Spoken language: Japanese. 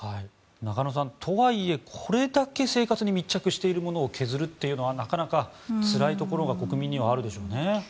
中野さん、とはいえこれだけ生活に密着しているものを削るというのはなかなかつらいところが国民にはあるでしょうね。